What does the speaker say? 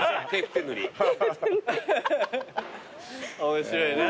面白いな。